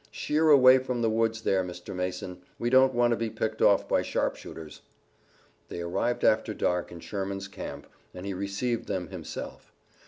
Sheer away from the woods there, Mr. Mason. We don't want to be picked off by sharpshooters." They arrived after dark in Sherman's camp and he received them himself.